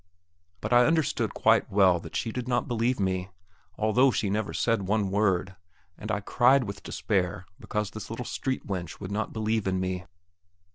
But I understood quite well that she did not believe me, although she never said one word; and I cried with despair because this little street wench would not believe in me.